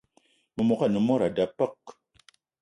Memogo ane mod a da peuk.